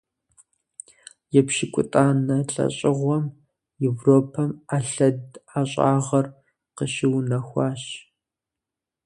Епщыкӏутӏанэ лӏэщӏыгъуэм Европэм ӏэлъэд ӏэщӏагъэр къыщыунэхуащ.